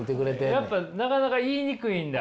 やっぱなかなか言いにくいんだ？